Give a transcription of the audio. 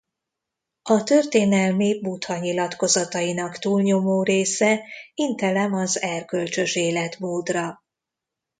A történelmi Buddha nyilatkozatainak túlnyomó része intelem az erkölcsös életmódra.